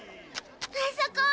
あそこ！